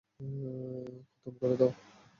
খতম করে দাও।